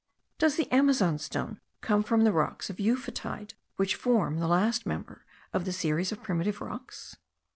Does the Amazon stone come from the rocks of euphotide, which form the last member of the series of primitive rocks?